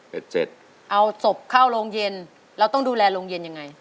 เอาศพเข้าโรงเย็นเราต้องดูแลโรงเย็นยังไง